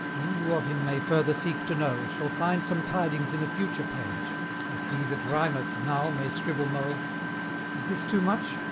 Ye who of him may further seek to know, Shall find some tidings in a future page, If he that rhymeth now may scribble moe. Is this too much?